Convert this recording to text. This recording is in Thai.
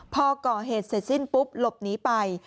พอก่อเหตุเสร็จสิ้นปุ๊บหลบหนีไป